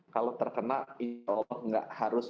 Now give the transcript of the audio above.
kalau terkena insya allah tidak harus